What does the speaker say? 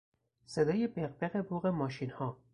صدای بق بق بوق ماشینها